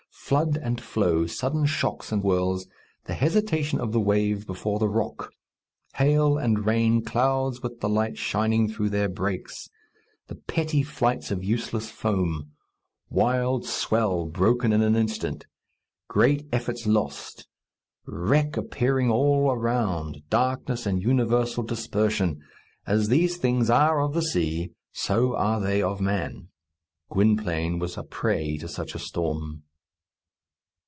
Flood and flow, sudden shocks and whirls, the hesitation of the wave before the rock; hail and rain clouds with the light shining through their breaks; the petty flights of useless foam; wild swell broken in an instant; great efforts lost; wreck appearing all around; darkness and universal dispersion as these things are of the sea, so are they of man. Gwynplaine was a prey to such a storm.